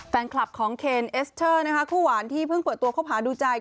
แฟนคลับของเคนเอสเตอร์นะคะคู่หวานที่เพิ่งเปิดตัวคบหาดูใจ